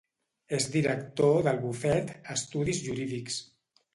És director del bufet Estudis Jurídics.